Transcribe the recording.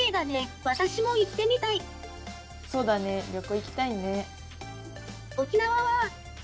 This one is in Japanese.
そうだね、旅行行きたいね。